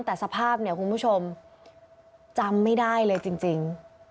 แต่สภาพเนี่ยคุณผู้ชมจำไม่ได้เลยจริง